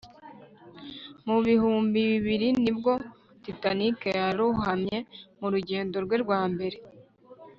mu bihumbi bibiri ni bwo titanic yarohamye mu rugendo rwe rwa mbere